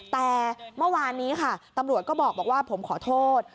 แต่เมื่อวานนี้ค่ะตำรวจก็บอกว่าผมขอโทษ